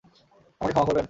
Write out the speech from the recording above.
আমাকে ক্ষমা করবেন?